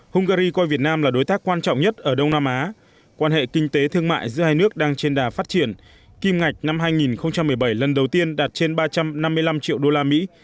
hungary coi việt nam là đối tác quan trọng nhất ở đông nam á quan hệ kinh tế thương mại giữa hai nước đang trên đà phát triển kim ngạch năm hai nghìn một mươi bảy lần đầu tiên đạt trên ba trăm năm mươi năm triệu đô la mỹ